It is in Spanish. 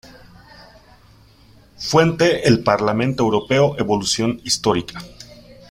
Fuente: El Parlamento Europeo: evolución histórica.